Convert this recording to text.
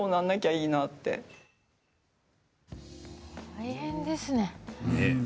大変ですね。